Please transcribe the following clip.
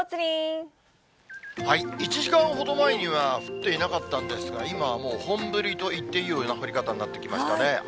１時間ほど前には降っていなかったんですが、今はもう、本降りといっていいような降り方になってきましたね。